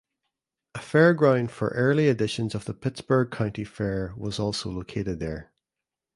A fairground for early editions of the Pittsburg County Fair was also located there.